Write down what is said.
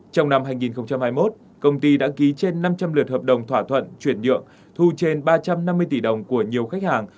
trong năm hai nghìn hai mươi một công ty đã ký trên năm trăm linh lượt hợp đồng thỏa thuận chuyển nhượng thu trên ba trăm năm mươi tỷ đồng của nhiều khách hàng